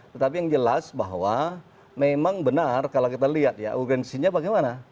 tetapi yang jelas bahwa memang benar kalau kita lihat ya urgensinya bagaimana